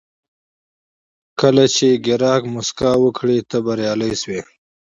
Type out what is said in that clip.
کله چې پیرودونکی موسکا وکړي، ته بریالی شوې.